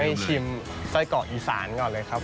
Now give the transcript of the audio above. อยากให้ชิมไส้กรอบอีสานก่อนเลยครับผม